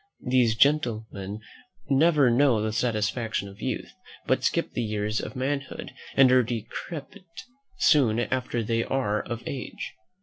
These gentlemen never know the satisfaction of youth, but skip the years of manhood, and are decrepit soon after they are of age.